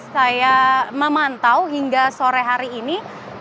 saya memantau hingga sore hari ini